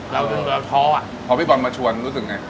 เราท้ออ่ะพอพี่บอลมาชวนรู้สึกไง